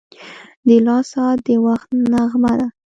• د لاس ساعت د وخت نغمه ده.